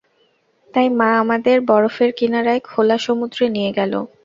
তাই মা আমাদের বরফের কিনারায়, খোলা সমুদ্রে নিয়ে গেল।